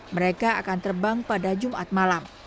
mereka akan terbang pada jumat malam